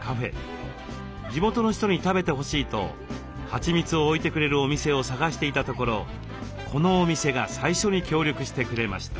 地元の人に食べてほしいとはちみつを置いてくれるお店を探していたところこのお店が最初に協力してくれました。